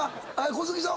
小杉さん